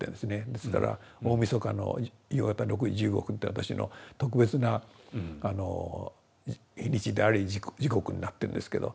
ですから大みそかの夕方６時１５分って私の特別な日にちであり時刻になってんですけど。